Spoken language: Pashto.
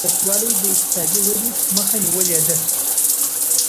د نفوسو زياتوالی د اقتصادي ودي مخه نيولې ده.